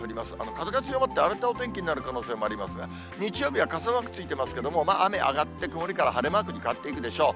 風が強まって、荒れたお天気になる可能性もありますが、日曜日は傘マークついていますけれども、雨上がって、曇りから晴れマークに変わっていくでしょう。